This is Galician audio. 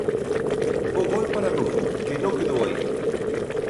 Bo gol para Rufo, que non quedou aí.